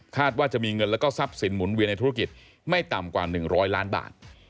ว่าจะมีเงินแล้วก็ทรัพย์สินหมุนเวียนในธุรกิจไม่ต่ำกว่า๑๐๐ล้านบาท